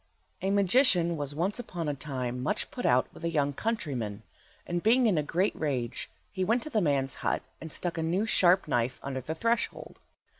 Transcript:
A MAGICIAN was once upon a time much put out with a young countryman, and being in a great rage he went to the man's hut and stuck a new sharp knife under the threshold.